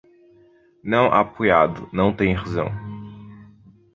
Não apoiado, não tem razão.